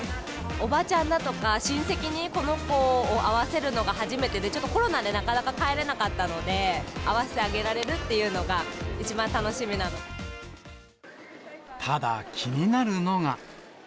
おばちゃんだとか、親戚にこの子を会わせるのが初めてで、ちょっとコロナでなかなか帰れなかったので、会わせてあげられるというただ、気になるのが。